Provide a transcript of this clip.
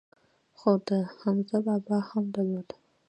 خو ده حمزه بابا هم درلود.